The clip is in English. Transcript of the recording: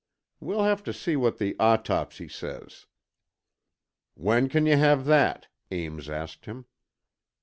We'll have to see what the autopsy says." "When can you have that?" Ames asked him.